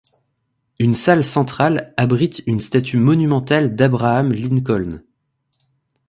Une salle centrale abrite une statue monumentale d'Abraham Lincoln.